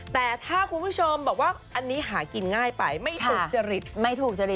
แต่ถ้าคุณผู้ชมบอกว่าอันนี้หากินง่ายไปไม่สุจริตไม่ถูกจริต